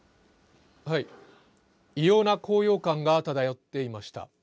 異様な高揚感が漂っていました。